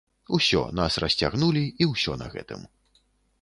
Усё, нас расцягнулі, і ўсё на гэтым.